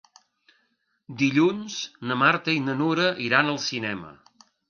Dilluns na Marta i na Nura iran al cinema.